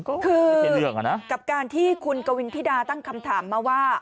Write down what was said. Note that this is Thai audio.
คือกับการที่คุณกวินทิดาตั้งคำถามมาว่า